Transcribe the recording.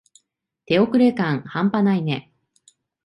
手遅れ感はんぱないね。